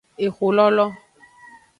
Exololo.